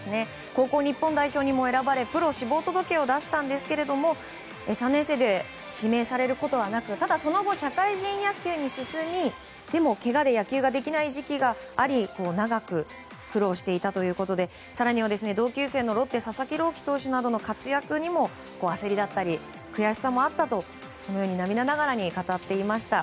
高校日本代表にも選ばれプロ志望届を出したんですが３年生で指名されることはなくただその後、社会人野球に進みでも、けがで野球ができない時期があり長く苦労していたということで更には、同級生のロッテ佐々木朗希投手などの活躍にも焦りだったり悔しさもあったと涙ながらに語っていました。